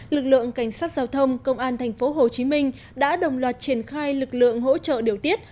lực lượng cảnh sát giao thông công an tp hcm đã đồng loạt triển khai lực lượng hỗ trợ điều tiết